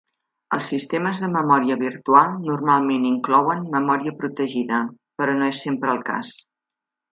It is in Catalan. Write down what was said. Els sistemes de memòria virtual normalment inclouen memòria protegida, però no és sempre el cas.